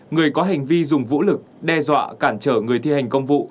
một mươi hai người có hành vi dùng vũ lực đe dọa cản trở người thi hành công vụ